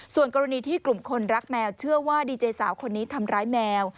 ส่วนกรณีที่กลุ่มคนรักแมวเชื่อว่าดีเจสาวคนนี้ทำร้ายแมว